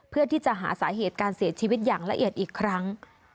เพื่อที่จะหาสาเหตุการเสียชีวิตอย่างละเอียดอีกครั้ง